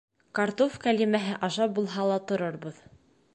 Картуф кәлйемәһе ашап булһа ла торорбоҙ.